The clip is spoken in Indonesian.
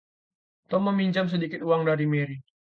Tom meminjam sedikit uang dari Mary.